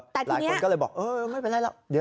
แต่ทีนี้หลายคนก็เลยบอกเออไม่เป็นไรแล้ว